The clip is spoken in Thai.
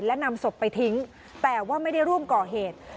และนำศพไปทิ้งแต่ว่าไม่ได้ร่วมก่อเหตุ